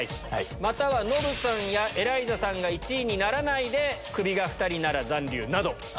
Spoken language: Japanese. またはノブさんやエライザさんが１位にならないでクビが２人なら残留など。